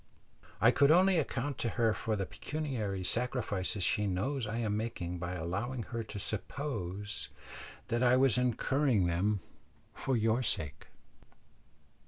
I could only account to her for the pecuniary sacrifices she knows I am making by allowing her to suppose that I was incurring them for your sake."